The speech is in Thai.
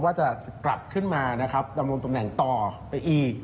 ว่าจะกลับขึ้นมานะครับดำรงตำแหน่งต่อไปอีก